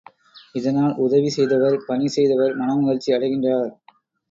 இதனால் உதவி செய்தவர் பணி செய்தவர் மனமகிழ்ச்சி அடைகின்றார்.